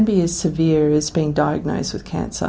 bisa menjadi seberat yang dikira dengan cancer